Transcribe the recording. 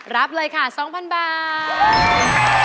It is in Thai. รับเลยค่ะ๒๐๐๐บาท